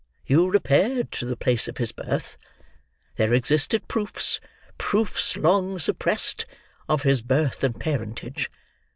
You repaired to the place of his birth. There existed proofs—proofs long suppressed—of his birth and parentage.